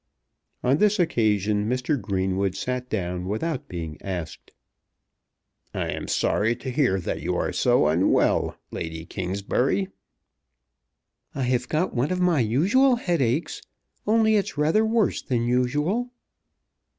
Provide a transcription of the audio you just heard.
On this occasion Mr. Greenwood sat down without being asked. "I am sorry to hear that you are so unwell, Lady Kingsbury." "I have got one of my usual headaches; only it's rather worse than usual."